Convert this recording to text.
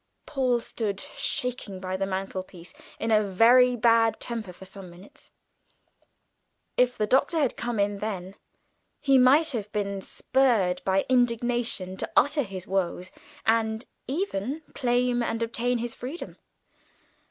Paul stood shaking by the mantelpiece in a very bad temper for some minutes. If the Doctor had come in then, he might have been spurred by indignation to utter his woes, and even claim and obtain his freedom.